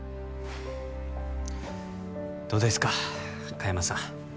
どうですか香山さん